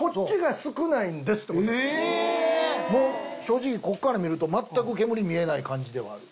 正直こっから見ると全く煙見えない感じではある。